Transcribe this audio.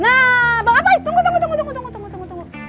nah bang apai tunggu tunggu tunggu